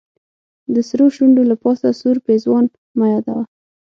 د سرو شونډو له پاسه سور پېزوان مه یادوه.